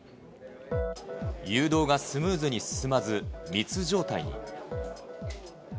誘導がスムーズに進まず、密状態に。